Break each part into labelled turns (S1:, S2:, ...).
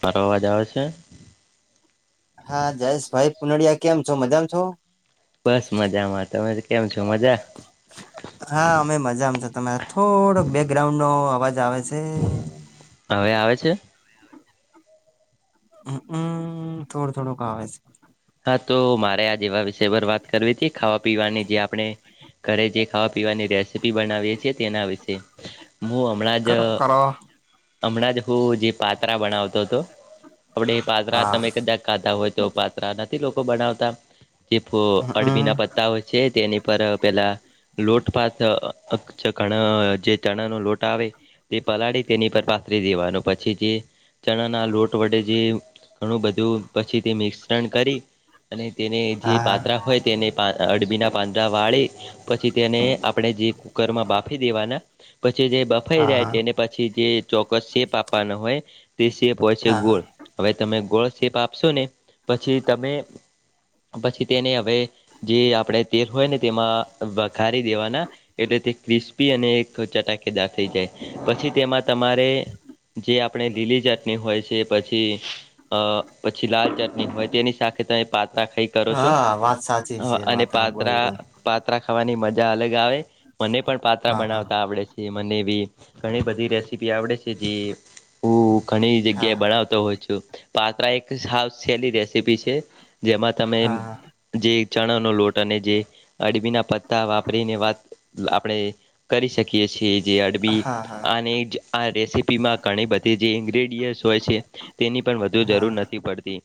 S1: મારો અવાજ આવે છે?
S2: હા જયેશ ભાઈ પુનડીયા કેમ છો મજામાં છો?
S1: બસ મજામાં, તમે કેમ છો મજા?
S2: હ [unintelligible] હા અમે મજામાં છ. તમારે થોડોક બેકગ્રાઉન્ડ નો અવાજ આવે છે.
S1: હવે આવે છે?
S2: હમ થોડું થોડુંક આવે.
S1: હા તો મારે આ જેવા વિષય પર વાત કરવી હતી ખાવા પીવાની જે આપણે ઘરે જે ખાવા પીવાની રેસીપી બનાવીએ છીએ તેના વિશે. હું હમણાં જ.
S2: કરો કરો
S1: હમણાં જ હું જે પાત્રા બનાવતો હતો આપડે એ પાત્રા
S2: હા
S1: તમે કદાચ ખાધા હોય તો પાત્ર નથી લોકો બનાવતા જે અડબી ના
S2: હમમ
S1: પત્તા હોય. છે તેની પર પેલા. લોટપાથ ઘણા જે ચણા નો લોટ આવે. તે પલાળી તેની પર પાથરી દેવાનું પછી જે. ચણાના લોટ વડે જે ઘણું બધું પછીથી મિક્સ. કરી અને તેને જે
S2: હા
S1: પાત્રા. હોય તેને પા અડબીના પાંદડા વાળે પછી તેને આપણે જે. માં બાફી દેવાના પછી જે બફાઈ જાય
S2: હા
S1: તેને. પછી જે ચોક્કસ શેપ આપવાના હોય તે શેપ હોય છે
S2: હા
S1: ગોળ. હવે તમે ગોળ શેપ આપશો ને પછી તમે પછી તેને હવે. જે આપણેે તેલ હોય ને તેમાં વઘારી દેવાના. એટલે તે ક્રિસ્પી અને એક ચટાકેદાર થઈ જાય પછી તેમાં તમારે જે આપ આપણે લીલી ચટણી હોય છે પછી અ પછી લાલ ચટણી. હોય તેની સાથે તમે પાત્રા ખાઈ કરો છો
S2: હા વાત સાચી છે
S1: અને
S2: વાત હા બોલ
S1: પાત્રા.
S2: બોલ
S1: પાત્રા ખાવાની મજા અલગ આવે મને પણ પાત્રા
S2: હા હા
S1: બનાવતા આવડે છે. જે મને એવી ઘણી બધી રેસીપી આવડે છે જે. હું ઘણી
S2: હા
S1: જગ્યાએ બનાવતો હોઉ છું પાત્રા એક સાવ સેલી રેસીપી છે. જેમાં તમે.
S2: હા
S1: જે ચણાનો લોટ અને જે અડબીના પત્તા વાપરીને વાત આપણે. કરી શકીએ છીએ જે અડબી
S2: હા હા
S1: અને જ. આ રેસીપીમાં ઘણી બધી જે ઇન્ગ્રેડિયન્ટ્સ હોય છે તેની પણ વધુ
S2: હા
S1: જરૂર નથી પડતી.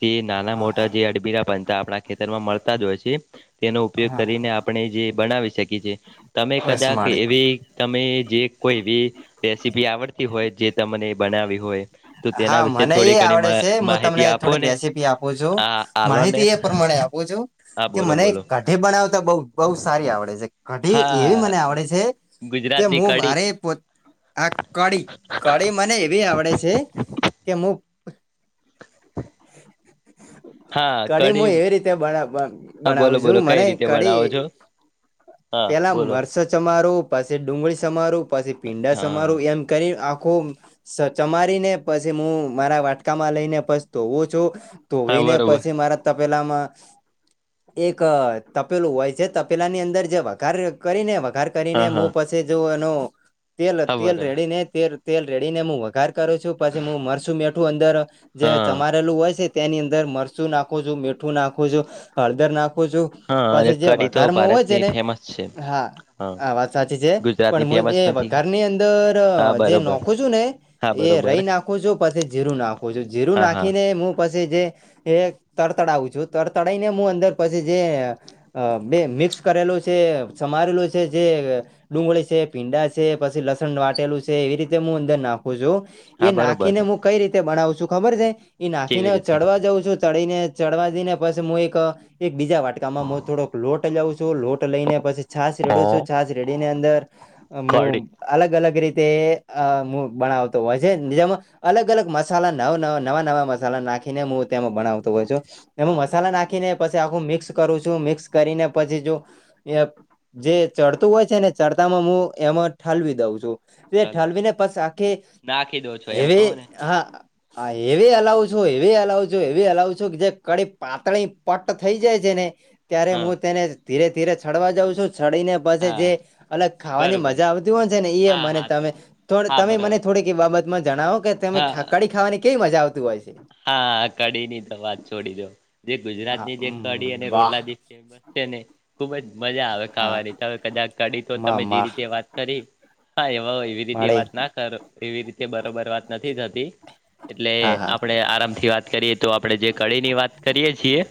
S1: થી નાના
S2: હા હા
S1: મોટા જે અડબીના પતા આપણા ખેતરમાં મળતા જ હોય છે તેનો ઉપયોગ
S2: હા
S1: કરીને આપણે જે બનાવી શકીએ છીએ તમે
S2: બસ
S1: કદાચ
S2: માળી
S1: એવી. તમે જે કોઈ બી રેસીપી આવડતી હોય જે તમને બનાવી હોય. તો તેના
S2: હા
S1: વિશે
S2: મને એ
S1: થોડી ઘણી
S2: આવડે છે હું
S1: માહિતી
S2: તમને. ત
S1: આપો
S2: થોડીક
S1: ને
S2: રેસીપી આપો છો
S1: આ આલો ને
S2: માહિતી એ પ્રમાણે આપું છું.
S1: હા
S2: કે
S1: બોલો
S2: મને
S1: બોલો
S2: કઢી બનાવતા બઉ બહુ સારી આવડે છે કઢી એવી
S1: હા
S2: મને આવડે છે. તે
S1: ગુજરાતની
S2: હું
S1: કડી
S2: મારે પોતે આ કી કઢી મને એવી આવડે છે. કેમું.
S1: હા
S2: કઢી
S1: કડી
S2: હું એવી રીતે
S1: હા બોલો
S2: બનાવું છું
S1: બોલો કઈ
S2: મને
S1: રીતે બનાવો
S2: કી [inaudible]
S1: છો હા
S2: પેલા
S1: બોલો
S2: મરચ સમાર, પાછી ડુંગળી સમાર, પાછી ભીંડા સમાર
S1: હા
S2: એમ કરી આખું. ચમારી ને પછી હું મારા વાટકામાં લઈને પછતો હું છુ.
S1: હા
S2: ધોવેને
S1: બરોબર
S2: પછી મારા તપેલામાં એક તપેલું હોય છે તપેલા ની અંદર જે વા વઘાર કરીને વઘાર
S1: હા
S2: કરીને મો
S1: હા
S2: પછી જો એનો તેલ
S1: હા
S2: તેલ
S1: બરોબર
S2: રેડીને તેલ. તેલ રેડીને હું વઘાર કરું છું પછી હું મરસું મીઠું અંદર જે
S1: હા
S2: ચમારેલું હોય છે. ત્યાંની અંદર મરચું નાખુ છુ, મીઠું નાખુ છુ, હળદર નાખો છુ.
S1: હા અને
S2: પછી જે
S1: કડી તો
S2: વઘારમાં હોય છે
S1: ભારતની
S2: ને
S1: ફેમસ છે
S2: હા.
S1: હા
S2: આ વાત સાચી છે
S1: ગુજરાતની
S2: પણ હું
S1: ફેમસ
S2: એ
S1: નથી
S2: વઘઘરની અંદર
S1: હા
S2: જે
S1: બરોબર
S2: નોખું છું ને,
S1: હા
S2: એ
S1: બરોબર
S2: રહી નાખું છું પછી જીરું નાખું છું જીરું
S1: હા હા
S2: નાખીને હું. પછી જે તરતડાવું છું તરતડીને હું અંદર પછી જે. અ બે મિક્સ કરેલું છે સમારેલું છે જે. ડુંગળી છે ભીંડા છે પછી લસણ વાટેલું છે એવી રીતે હું અંદર નાખું છું.
S1: હા
S2: એ
S1: બરોબર
S2: નાખીને હું કઈ રીતે બનાવ છું ખબર છે એ નાખીને
S1: કેવી
S2: હ
S1: રીતે
S2: ચડવા દઉં છું. ચડીીને ચડવા જઈ ને પછી હું એક એક બીજા વાટકામાં હું થોડોક લોટ જઉં છું લોટ લઈને પછી છાસ
S1: હ
S2: રેડું છું છાસ રેડી ને અંદર
S1: કડી
S2: હું અલગ અલગ રીતે અ બનાવતો હોય છે બીજામાં અલગ અલગ મસાલા નવ નવા નવા નવા મસાલા નાખીને હું તેમાં ભનાવતો હોઉ છું એમાં
S1: બરોબર
S2: મસાલા નાખીને પછી આખું મિક્સ કરું છું મિક્સ કરીને પછી જો જે ચડતું હોય છે ને ચડતામાં હું એમાં ઠાલવી દઉં છું. એ
S1: ચાલ
S2: ઠાલવીને પસ આખી
S1: નાખી દો છો એમ
S2: હવે
S1: કહો ને
S2: હા. હા એવી હલાવું છું એવી હલાવું છું એવી હલાવું છું કે જે કડી પાતળી પટ્ટ થઈ જાય છે ને ત્યારે
S1: હા
S2: હું તેને ધીરે ધીરે ચડવા જાઉં છું ચડીને પ
S1: હા
S2: જે અલગ ખાવાની
S1: બરોબર
S2: મજા આવતી હોય છે ને એ
S1: હા
S2: મને
S1: હા
S2: ત
S1: તો હા
S2: તમે મને
S1: બરોબર
S2: થોડીક બાબતમાં જણાવો કે તમે
S1: હા
S2: ખા કડી ખાવાની કેવી મજા આવતી હોય છે?
S1: હા કડી ની તો વાત છોડી દો જે ગુજરાતી
S2: હા
S1: ની જે કઢી અને
S2: વાહ
S1: રોટલા જે બસ છે ને ખુબ જ મજા આવે
S2: હા
S1: ખાવાની તો કદાચ કડી તો
S2: મા
S1: તમે જે
S2: મા
S1: રીતે વાત કરી હા એ એવી રીતે
S2: મળી
S1: વાત ના કર એવી રીતે બરોબર વાત નથી થતી. એટલે
S2: હા હા
S1: આપણેે આરામથી વાત કરીએ તો આપડણે જે કળી ની વાત કરીયએ છીએ.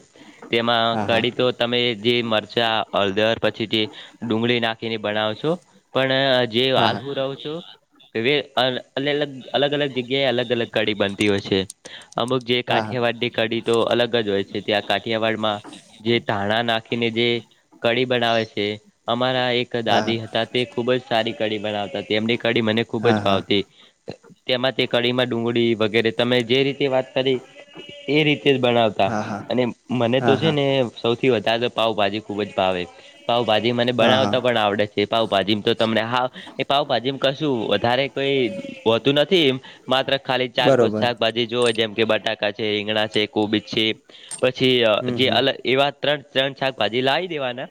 S1: તેમાં
S2: હા હા
S1: કાડી તો તમે જે મરચા હળદર પછી જે ડુંગળી નાખીને બનાવ છો પણ જે
S2: હા
S1: હાલ હું રહો છો. હ અલગ અલગ અલગ અલગ જગ્યાએ અલગ અલગ કડી બનતી હોય છે. અમુક જે
S2: હા હા
S1: કાઠિયાવાડની કડી તો અલગ જ હોય છે ત્યાં કાઠિયાવાડમાં જે ધાણા નાખીને જે કડી બનાવે છે અમારા એક
S2: હા
S1: દાદી હતા તે ખુબ જ સારી કઢી બનાવતા હતી એમની કઢી મને ખૂબ
S2: હા
S1: જ
S2: હા
S1: ભાવતી. તેમાં તે કડી માં ડુંગળી વગેરે તમે જે રીતે વાત એ રીતે જ બનાવતા
S2: હા હા
S1: અને મને તો
S2: હા
S1: છે
S2: હા
S1: ને સૌથી વધારે પાવભાજી ખુબ જ ભાવે પાવભાજી મને
S2: હા હા
S1: બનાવતા પણ આવડે છે. પાાવભાજી તો તમને હા એ પાવભાજી કશું વધારે કઈ હોતું નથી એ માત્ર ખાલી ચાર પાંચ
S2: બરોબર
S1: શાકભાજ જોવે જેમ કે બટાકા છે રીંગણા છે કોબીજ છે પછી
S2: હમ
S1: જે
S2: હમ
S1: અલગ એવા ત્રણ ત્રણ શાક ભાજી લાવી દેવાને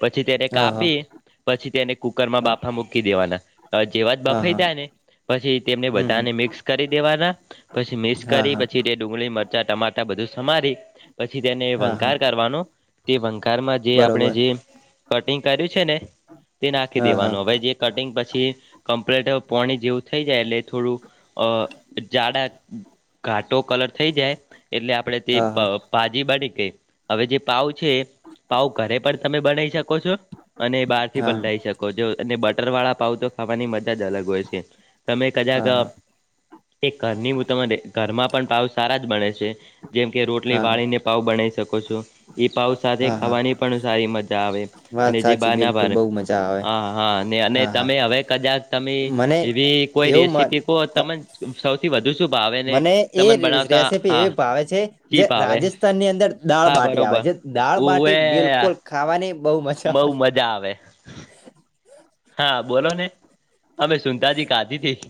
S1: પછી ત્યારે
S2: હા હા
S1: કાપી પછી તેને કુકર માં
S2: હા
S1: બાફા મૂકી દેવાના જેવા જ
S2: હા
S1: બફાઈ
S2: હા
S1: થયા ને પછી તેમને
S2: હમ હમ
S1: બધાને મિક્સ કરી દેવાના પછી મિક્સ
S2: હા
S1: કરી
S2: હા
S1: તે પછી ડુંગળી મરચા ટમાટર બધું સમારી પછી તેને
S2: હા હા
S1: વંકાર કરવાનું. તે વંકારમાં જે આપણે
S2: બરોબર
S1: જે કટિંગ કર્યું છે ને તે નાખી
S2: હા હા
S1: દેવાનું હવે જે કટિંગ પછી કમ્પ્લીટ પોણી જેવું થઈ જાય એટલે થોડું અ જાડા ઘાટો કલર થઈ જાય એટલે આપણેે તે
S2: હા હા
S1: ભાજી બાડી કે હવે જે પાઉ છે પાઉ ઘરે પણ તમે બનાવી શકો છો અને બાર થી
S2: હા
S1: પણ લઈ શકો છો અને બટર વાળા પાઉ તો ખાવાની મજા જ અલગ હોય છે. તમે કદાક
S2: હા હા
S1: એક ઘરની હ તમારે ઘરમાં પણ પાવ સારા જ બણે છે. જેમ કે રોટલી
S2: હા હા
S1: વાળીને પાઉ બનાવી શકો છો. એ પાઉ સાથે
S2: હા હા
S1: ખાવાની પણ સારી મજા આવે અને
S2: વાત
S1: જે
S2: સાચી
S1: બાર ના બાર
S2: બિલકુલ બહુ મજા આવે
S1: હા હા અને
S2: હા
S1: તમે હવે કદાચ તમે
S2: હા મને
S1: એવી કોઈ
S2: એવું મન
S1: રેસીપી પો
S2: ત-
S1: તમને સૌથી વધુ શુભાવ ને
S2: મને એ
S1: તમને બનાવતા
S2: રેસીપી
S1: હા
S2: એવી ભાવે છે
S1: ચી
S2: જે
S1: ભાવે
S2: રાજસ્થાન ની અંદર દાળ
S1: હા
S2: બાટી આવે
S1: બરોબર
S2: છે. દાળ બાટી બિલકુલ ખાવાની બહુ મજ
S1: બઉુ મજા આવે. હા બોલો ને અમે સુનતાજી કાજી થથી.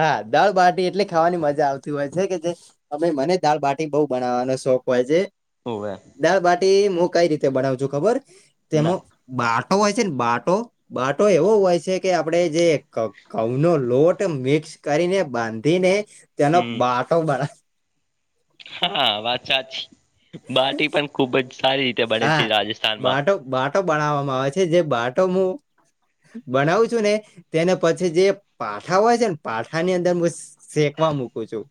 S2: હા દાળ બાાટી એટલી ખાવાની મજા આવતી હોય છે કે જે અમે મને દળબાટી બહ બનાવવાનો શોખ હોય છે.
S1: ઓવે.
S2: દાળ બાટી હું કઈ રીતે બનાવ છું ખબર
S1: ના
S2: તેમાં બાટો હોય છે ને બાટો બાટો એવો હોય છે કે આપડે જે કઉ નો લોટ મિક્સ કરીને બાંધીને તેનો
S1: હમ
S2: બાટો બના.
S1: હા વાત સાચી બાટી પણ ખુબ જ સારી બને
S2: હા
S1: છે રાજસ્થાનમાં
S2: બાટો બાટો બનાવવામાં આવે છે જે બાટો મુું બનાવું છું ને તેને પછી જે પાઠા હોય છે ને પાઠાની અંદર શેકવા મૂકું છું.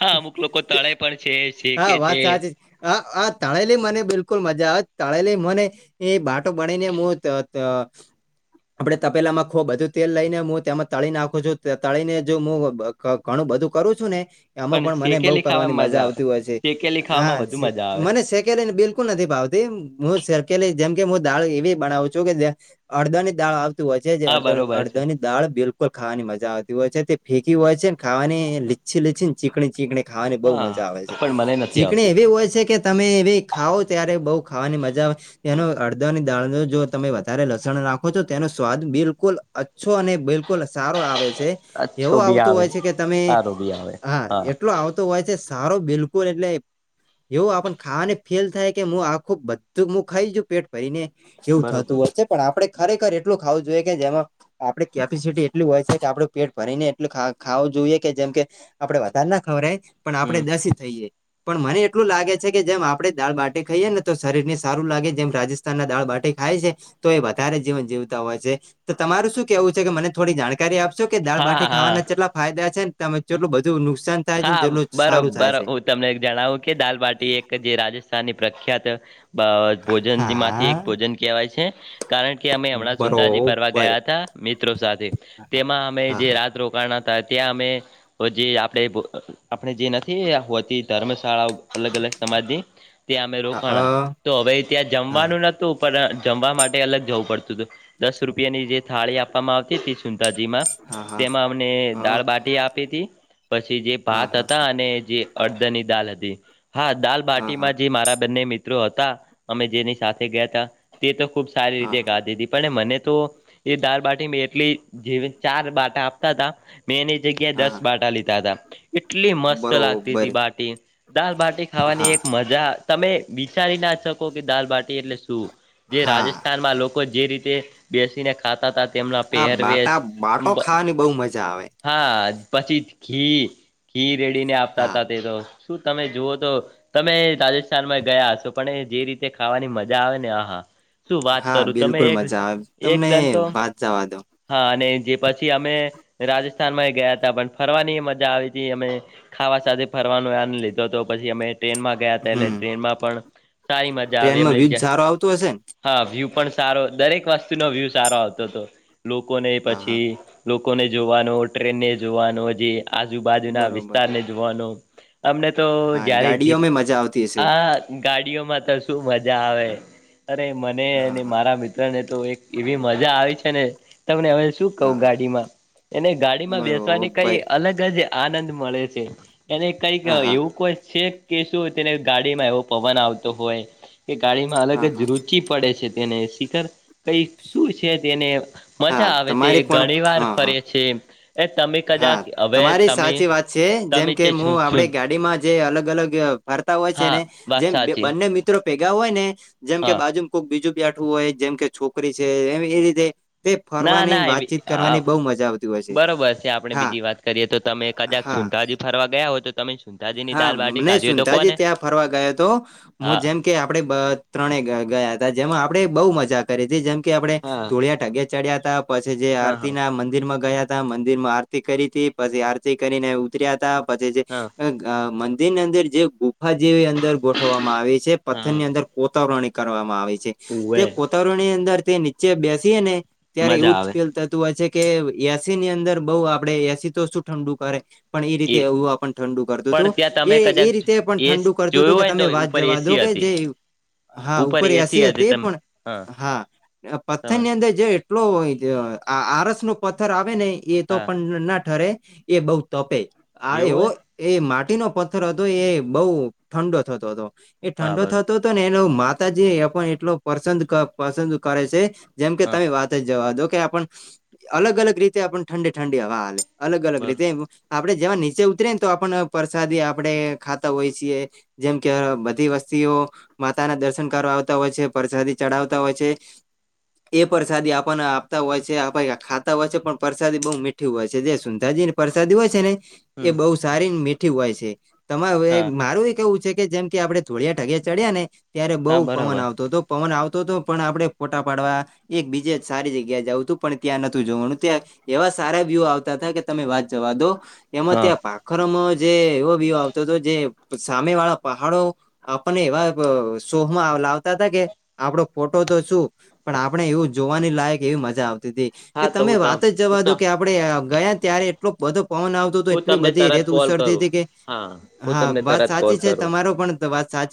S1: હા અમુક લોકો તળે પણ છે
S2: હા,
S1: શેકે છે
S2: વાત સાચ હ આ તણેલી મને બિલકુલ મજા આવે તણેલી મને એ બાટો બનાને એમ તો આપણે તપેલામાં ખૂબ બધું તેલ લઈને હું તેમાં તળી નાખું છું તળીને જો હુ ઘણું બધું કરું છુ ને આમાં પણ મને બઉ
S1: શેકેલી
S2: કરવાની
S1: ખાવામાં
S2: મજા
S1: આવે
S2: આવતી હોય છે,
S1: શેકેલી
S2: હા
S1: ખાવામાં વધુ મજા આવે
S2: મને સેડન્િલ નથીાવતી હુંેલી જેમ કે હું દાળ એવી બનાવું છું કે અડદાની દાળતી હ છે, જે
S1: હા
S2: અડધ
S1: બરોબર છે
S2: અડધા ની દાળ બિલકુલ ખાવાની મજા આવતી હોય છે તે ફેંકી હોય છેને, ખાવાની લીચ્છી લીચછી ને ચીકણી ચીકણી ખાવાની બહુ મજા આવે છે
S1: હા પણ મને નથી
S2: ચીકણી
S1: આવતી
S2: એવી હોય છે કે તમે એવી ખાવ ત્યારે બહુ ખાવાની મજા આવે એનો અડદા ની દાળ નો જો તમે વધારે લસણ નાખો છો તેનો સ્વાદ બિલકુલ અચ્છો અને બિલકુલ સારો આવે છે એવું
S1: અચ્છો બી
S2: આવતું
S1: આવે
S2: હોય છે, કે તમે
S1: સારો બી આવે
S2: હા એટલો આવતો હોય છે, સારો બિલકુલ એટલે એવું આપ ખાવાને ફેલ થાય કે હું આખું બધું હું ખાઈશુ પેટ ભાઈને એવું
S1: બરોબર
S2: થતું હોશે પણ આપડણે ખરેખર એટલું ખાવું જોઈએ કે જેમાં આપડે કેપેસિટી એટલી હોય છે, કે આપડું પેટ ભરીને એટલું ખાવું જોઈએ કે જેમ કે આપડે વધારે ના ખબર પણ
S1: હમ
S2: આપડણે દસી થઈએ પણ મને એટલું લાગે છે કે જેમ આપડે દાળ બાટી ખાઈએ ને તો શરીર ને સારું લાગે જેમ રાજસ્થ ના દાળ બાટી ખાય છે, તો એ વધારે જીવન જીવતા હોય છે. તો તમારું શું કેવું છે કે મને થોડી જાણકારી આપશે કે દાળ
S1: હા
S2: બાટી
S1: હા
S2: ખાવાના જેટલા ફાયદા છે ને તમેટલું બધું નુકસાન થાય છે ને
S1: હા
S2: જેટલું
S1: બરો,
S2: સારું થાય
S1: બરો
S2: છે
S1: તમને જણાવું કે દાલબાટી એક જે રાજસ્થાનની પ્રખ્યાત બ ભોજન માંથી
S2: હા
S1: એક ભોજન કહેવાય છે. કારણ કે અમે હમણાં સુંતાાજી ફરવા
S2: બરોબર
S1: ગયા હતા મિત્રો સાથે તેમાં અમે
S2: હા
S1: જે
S2: હા
S1: રાત રોકા થાય ત્યાં અમે જે આપ આપણે જે નથી હોતી ધર્મશાળાઓ અલગ અલગ સમાજની ત્યાં અમે
S2: અ
S1: રોકાણ
S2: હા
S1: તો હવે ત્યાં
S2: હા અ
S1: જમવાનું નતું પણ જમવા માટે અલગ જવું પડતું હતુ દસ રૂપિયાની જે થાળી આપવામાં આવતી તે સુુંતાાજી માં
S2: હા હા
S1: તેમાં અમને દાળબાટી આપી હતી પછી જે ભાત હતા અને જે અડધ ની દાલ હતી હા દાલ
S2: હા
S1: બાટી
S2: હા
S1: માં જે મારા બંને મિત્ર ્ર હતા અમે જેની સાથે ગયા હતા તે તો ખુબ સારી રીતે
S2: હા
S1: ગાઢીધ હતી પણ મને તો એ દાર બાટી મેં એટલી જે ચાર બાટા આપતા હતા મેં એની જગ્યાએ દસ
S2: હા
S1: બાટા લીધા દાા એટલી મસ્ત લાગતી
S2: બરોબર
S1: હતી બાટી દાલ બાટી ખાવાની
S2: હા
S1: એક મજા તમે વિચારી ના શકો કે દાલબાટી એટલે શું જે
S2: હા
S1: રાજસ્થાનમાં લોકો લોકો જે રીતે બેસીને ખાતા હતા, તેમના
S2: આ
S1: પહેરવેશ
S2: બાટા બાટો ખાવાની બહુ મજા આવે
S1: હા પછી ઘી ઘી રેડીને આપતા
S2: હા
S1: હતા તે તો શું તમે જુવઓ તો તમે રાજસ્થાનમાં ગયા હ છો, પણ એ જે રીતે ખાવાની મજા આવે ને આહા શું વાત
S2: હા
S1: કરું તમે
S2: બિલકુલ
S1: એક
S2: મજા આવે તમને
S1: એકદન તો
S2: વાત જવા દો
S1: હા, અને જે પછી અમે રાજસ્થાનમાં ગયા હતા પણ ફરવાની મજા આવી હતી અમે ખાવા સાથે ફરવાનો એન લીધો હતો પછી અમે ટ્રેનમાં ગયા હતા એલે
S2: હમ
S1: ટ્રેનમાં પણ સારી મજા આવી
S2: ટ્રેનમાં
S1: એમને
S2: વ્યુ સારો આવતો હશે ને
S1: હા વ્યૂ પણ સારો દરેક વસ્તુ નો વ્યૂ સારો આવતો હતો લોકોને
S2: હા હા
S1: પછી લોકોને જોવાનો ટ્રેનને જોવાનો જે આજુબાજુના
S2: બરોબર
S1: વિસ્તારને જોવા અમને તો
S2: હા
S1: જારે જી
S2: ગાડીઓમાં મજા આવતી હશે
S1: આ ગાડીઓમાં તો શું મજા આવે અરે મને
S2: હા
S1: અને
S2: હા
S1: મારા મિત્ર ને તો એક એવી મજા આવી છેને, તમને હવે શું
S2: હા
S1: કું
S2: હા
S1: ગાડીમાં એને ગાડી માં બેસવાની કઈ
S2: બરોબર
S1: અલગ જ આનંદ મળે છે એને કઈક
S2: હા હા
S1: એવું કોઈ છે. કે શું તેને ગાડીમાં એવો પવન આવતો હોય કે ગાડીમાં અલગ
S2: હા
S1: જ
S2: હા
S1: રુચિ પડે છે તેને શિખર કઈ શું છે, તેને
S2: હા
S1: મજા આવે તે
S2: તમારી પણ
S1: ઘણી વાર
S2: હા હા
S1: ફરે છે, એ તમે
S2: હા
S1: કદાચ હવે
S2: તમારી
S1: તમે
S2: સાચી વાત છે જેમ
S1: તમે
S2: કે
S1: છે
S2: હું
S1: છું
S2: આપડ
S1: છું
S2: ગાડીમાં જે અલગ અલગ ફરતા હોય
S1: હા
S2: છેને
S1: વાત
S2: જેમ
S1: સાચી
S2: બંને મિત્ર મિત્ર ભેગા હોય ને જેમ કે
S1: હા
S2: બાજુ કોક બીજું બેઠું હોય જેમ કે છોકરી છે, એ એ રીતે તે
S1: ના
S2: ફરવાની
S1: ના એવી
S2: વાતચીત
S1: આ
S2: કરવાની બહુ મજા આવતી હોય છે.
S1: બરોબર આપણે
S2: હા
S1: બીજી વાત કરીએ તો તમે કદાચ
S2: હા
S1: સનતા હજી ફરવા ગયા હોય, તો તમે સુંંધાજી ની
S2: હા
S1: દાલ બાટી
S2: નહી
S1: કાઢી હોય તો કો
S2: સુનતાજી
S1: ને
S2: ત્યાં ફરવા ગયો હતો હું
S1: હા
S2: જેમ કે આપડે ત્રણે ગયા હતા જેમાં આપડણે બહુ મજા કરી હતી જેમ કે આપડણે
S1: હા
S2: ધુળિયા ઢગ્યા ચડ્યા હતા પછી જે
S1: હા
S2: આરતી
S1: હા
S2: ના મંદિર માં ગયા મંદિર માં આરતી કરી હતી પછી આરતી કરીને ઉતર્યા ત પછી જે
S1: હા
S2: મંદિરની અંદર જે ગુફા જેવી અંદર ગોઠવવામાં આવે છે પથ્થર
S1: હા
S2: ની અંદર કોતાવરણી કરવામાં આવે છે,
S1: ઉવે
S2: તે કોતવરની અંદર તે નીચે બેસી ને ત્યારે
S1: મજા
S2: એવું જ
S1: આવે
S2: ફીલ થતું હોય છે કે એસી ની અંદર બઉ આપડે એસી તો શું ઠંડુ કરે પણ એ રીતે એવું ઠંડુ
S1: પણ
S2: હતું
S1: ત્યાં
S2: એ
S1: તમે કદાચ
S2: એ રીતે પણ
S1: એ
S2: ઠંડુ કરતું
S1: જોયું
S2: હતું કે
S1: હોય ને તો
S2: તમે વાત
S1: ઉપર
S2: જવા દો
S1: એસી
S2: કે
S1: હતી
S2: જે હા ઉપર એસી તે પણ હા
S1: તમે
S2: પથર જે એટલો આરસ નો પથ્થર આવે ને એ તો
S1: હા
S2: પણ ના ઠરે એ બઉ તપે આ
S1: એવું
S2: એવો
S1: હોય
S2: એ માટીનો પથ્થર હતો એ બહુ ઠંડો થતો હતો એ
S1: હા
S2: ઠંડો
S1: બરો
S2: થતો તો ને એનો માતાજી એ પણ એટલો પસંદ પસંદ કરે છે. જેમ કે
S1: હા
S2: તમે વાત જ જવા દો કે આપણ અલગ અલગ રીતે આપ ઠંડી ઠંડી હવા હલે અલગ અલગ
S1: બરો
S2: રીતે આપડણે જેવા નીચે ઉતરી ને તો આપણ પરસાદી આપણે ખાતા હોય છીએ. જેમ કે બધી વસ્તીઓ માતા ના દર્શન કરવા આવતા હોય છે, પ્રસાદી ચડાવતા હોય છે. એ પરસાદી આપણને આપતા હોય છે, આપ ખાતા હોય છે પણ પરસાદી બહ મીઠ ઠું હોય છે દ સુુંતાા જ ને પરરસાદી હોય છે ને એ
S1: હમ
S2: બહુ સારી મીઠી હોય છે તમારે
S1: હા
S2: મારું એ એવું છે, કે જેમ કે આપડણે થોડિયા ઠગી ચડ્યા ને ત્યારે
S1: હા
S2: બઉુ પવન
S1: બરોબર
S2: આવતો હતો પવન આવતો હતો પણ આપડે ફોટા પાડવા એક બીજે જ સારી જગ્યાએ જઉું તું પણ ત્યાં નથીું જોવાનું ત્યાં એવા સારા વ્યુ આવતા હતા કે તમે વાત જવા દો એમાં
S1: હા
S2: ત્યાં પાક ખરો જે એવો બ આવતો હતો જે સામે વાળા પહાડો આપણને એવા શોમાં લાવતા હતા કે આપડો ફોટો તો શું પણ આપણે એવું જોવાની લાયક એવી મજા આવતી કે
S1: હા તો
S2: તમે વાત
S1: હું
S2: જ જવા દો
S1: ત
S2: કે આપડે ગયા ત્યારે એટલો બધો પવન આવતો હતો
S1: હું
S2: એટલી
S1: તમને
S2: બધી
S1: તરત
S2: રેત
S1: કોલ
S2: ઉછળતી
S1: કરું
S2: હતી કે
S1: હા હું
S2: હા
S1: તમને
S2: વાત
S1: તરત કોલ
S2: સાચી છે.
S1: કરું
S2: તમારો પણ વાત સાચી